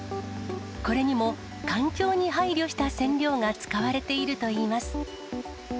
これにも環境に配慮した染料が使われているといいます。